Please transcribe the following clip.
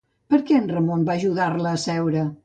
Per què en Ramon va ajudar-la a seure?